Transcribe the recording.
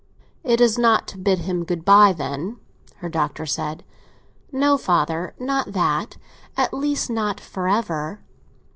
"It is not to bid him good bye, then?" her father said. "No, father, not that; at least, not for ever.